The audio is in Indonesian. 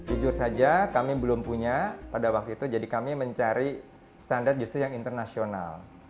jujur saja kami belum punya pada waktu itu jadi kami mencari standar justru yang internasional